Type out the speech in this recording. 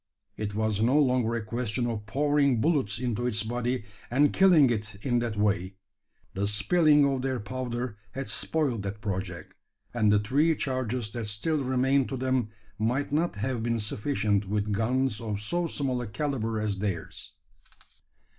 It was no longer a question of pouring bullets into its body, and killing it in that way. The spilling of their powder had spoiled that project; and the three charges that still remained to them might not have been sufficient with guns of so small a calibre as theirs.